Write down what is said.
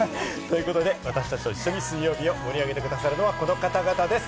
私たちと一緒に水曜日を盛り上げてくださるのはこちらの皆さんです。